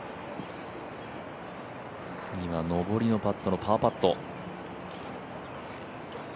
次は上りのパットのパーパット。